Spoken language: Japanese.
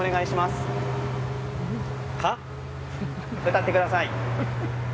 歌ってください。